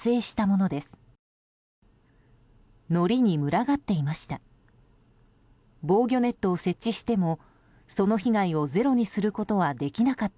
のりに群がっていました。